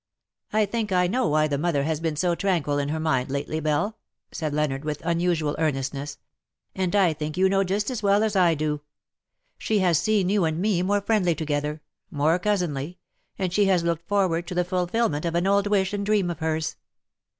" I think I know why the mother has been so tranquil in her mind lately, Belle,^' said Leonard^ with unusual earnestness, ^^ and I think you know just as well as I do. She has seen you and me more friendly together — more cousinly — and she has looked forward to the fulfilment of an old wish and dream of hers.